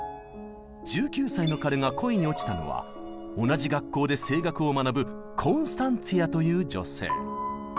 １９歳の彼が恋に落ちたのは同じ学校で声楽を学ぶコンスタンツィアという女性。